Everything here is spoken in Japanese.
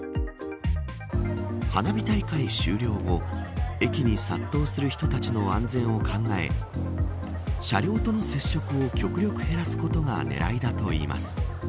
花火大会終了後駅に殺到する人たちの安全を考え車両との接触を極力減らすことが狙いだといいます。